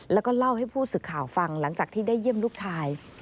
แล้วก็เล่าให้ผู้สื่อข่าวฟังหลังจากที่ได้เยี่ยมลูกชาย